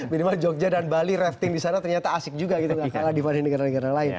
minimal jogja dan bali rafting di sana ternyata asik juga gitu